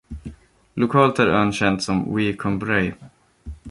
Lokalt är ön känd som Wee Cumbrae.